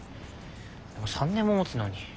でも３年ももつのに。